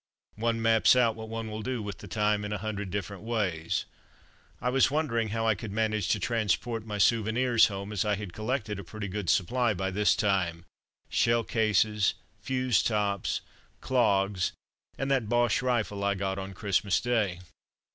One maps out what one will do with the time in a hundred different ways. I was wondering how I could manage to transport my souvenirs home, as I had collected a pretty good supply by this time shell cases, fuse tops, clogs, and that Boche rifle I got on Christmas Day.